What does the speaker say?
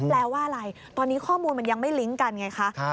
แปลว่าอะไรตอนนี้ข้อมูลมันยังไม่ลิงก์กันไงคะ